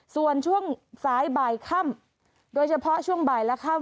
ส่วนช่วงสายบ่ายค่ำโดยเฉพาะช่วงบ่ายและค่ำ